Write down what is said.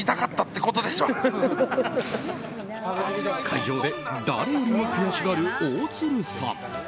会場で誰よりも悔しがる大鶴さん。